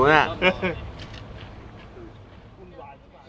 มู๓กลุ่มหาก